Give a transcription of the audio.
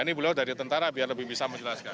ini beliau dari tentara biar lebih bisa menjelaskan